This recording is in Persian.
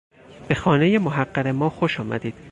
به خانهی محقر ما خوش آمدید.